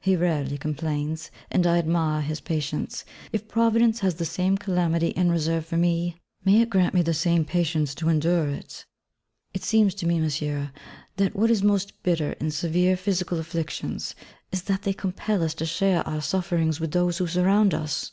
He rarely complains: and I admire his patience. If Providence has the same calamity in reserve for me, may it grant me the same patience to endure it. It seems to me, Monsieur, that what is most bitter in severe physical afflictions, is that they compel us to share our sufferings with those who surround us.